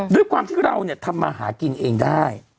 ด้วยความที่เราทำมาหากินเองได้